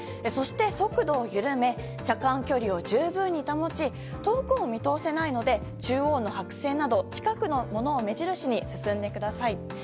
そして、速度を緩め車間距離を十分に保ち遠くを見通せないので中央の白線など近くのものを目印に進んでください。